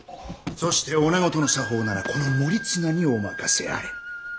そしておなごとの作法ならこの守綱にお任せあれ。